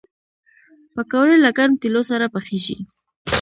پکورې له ګرم تیلو سره پخېږي